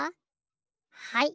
はい。